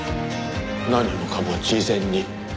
何もかも事前に。